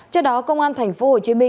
trước đó công an tp hcm